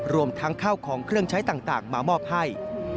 รวมทั้งข้าวของเครื่องใช้ต่างมามอบให้